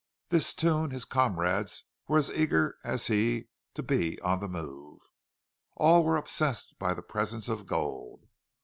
This tune his comrades were as eager as he to be on the move. All were obsessed by the presence of gold.